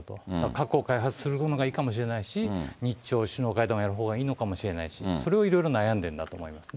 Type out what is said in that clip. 核を開発するのがいいかもしれないし、日朝首脳会談をやるのがいいかもしれないし、それをいろいろ悩んでいるんだと思いますね。